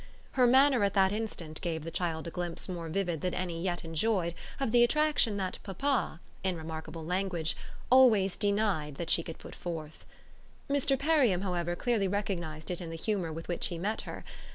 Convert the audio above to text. Her manner at that instant gave the child a glimpse more vivid than any yet enjoyed of the attraction that papa, in remarkable language, always denied she could put forth. Mr. Perriam, however, clearly recognised it in the humour with which he met her.